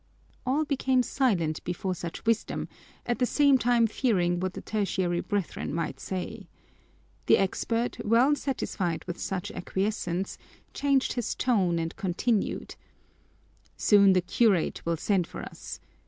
All became silent before such wisdom, at the same time fearing what the Tertiary Brethren might say. The expert, well satisfied with such acquiescence, changed his tone and continued: "Soon the curate will send for us.